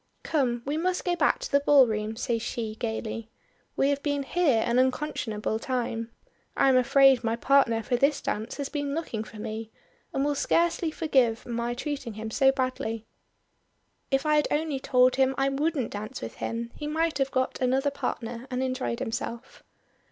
"Come, we must go back to the ballroom," says she gaily. "We have been here an unconscionable time. I am afraid my partner for this dance has been looking for me, and will scarcely forgive my treating him so badly. If I had only told him I wouldn't dance with him he might have got another partner and enjoyed himself."